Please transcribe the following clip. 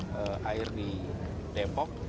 begitu air di depok